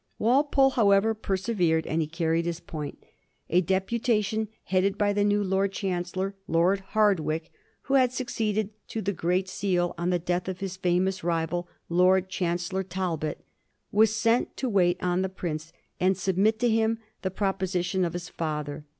Wal pole, however, persevered, and he carried his point. A deputation, headed by the new Lord Chancellor, Lord Hardwicke, who had succeeded to the Great Seal on the death of his famous rival. Lord Chancellor Talbot, was sent to wait on the prince and submit to him the proposi tion of his father.